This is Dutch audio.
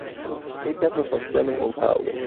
Ik heb me van stemming onthouden.